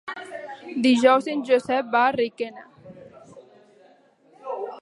Dijous en Josep va a Requena.